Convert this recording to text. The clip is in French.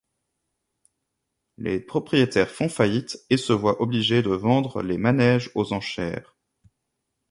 Les propriétaires font faillite et se voient obligés de vendre les manèges aux enchères.